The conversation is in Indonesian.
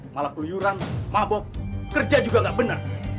malah keluyuran mabok kerja juga nggak benar